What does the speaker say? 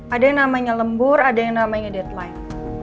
ada yang namanya lembur ada yang namanya deadline